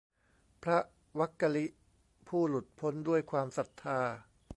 พระวักกลิ ผู้หลุดพ้นด้วยศรัทธา